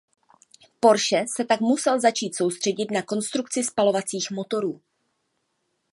Porsche se tak musel začít soustředit na konstrukci spalovacích motorů.